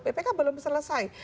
ppk belum selesai